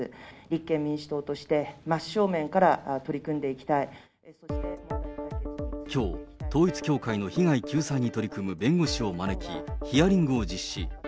立憲民主党として、きょう、統一教会の被害救済に取り組む弁護士を招き、ヒアリングを実施。